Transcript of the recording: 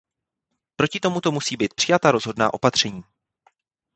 Proti tomuto musí být přijata rozhodná opatření.